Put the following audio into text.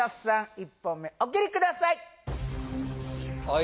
１本目お切りください